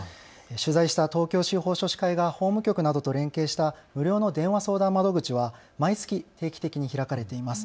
取材した東京司法書士会が法務局などと連携した無料の電話相談窓口は毎月、定期的に開かれています。